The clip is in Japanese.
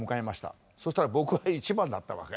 そしたら僕が一番だったわけ。